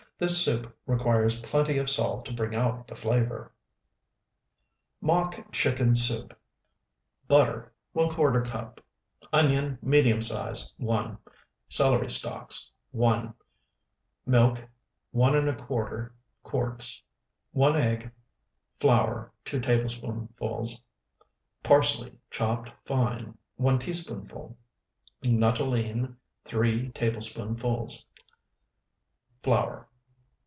This soup requires plenty of salt to bring out the flavor. MOCK CHICKEN SOUP Butter, ¼ cup. Onion, medium size, 1. Celery stalks, 1. Milk, 1¼ quarts. One egg. Flour, 2 tablespoonfuls. Parsley, chopped fine, 1 teaspoonful. Nuttolene, 3 tablespoonfuls. Flour.